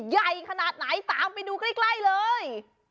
ใหญ่ขนาดไหนตามไปดูใกล้เลย